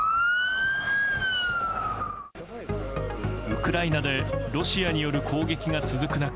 ウクライナでロシアによる攻撃が続く中。